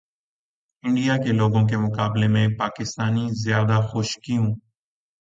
India کے لوگوں کے مقابلے میں پاکستانی زیادہ خوش کیوں